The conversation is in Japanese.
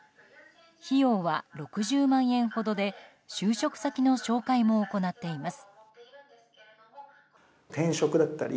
費用は６０万円ほどで就職先の紹介も行っています。